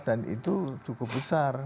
dan itu cukup besar